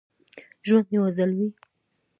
ژوند یو ځل وي